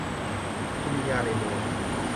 คุณมียาอยู่ในมือ